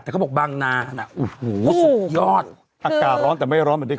แต่เขาบอกบางนานะโอ้โหสุดยอด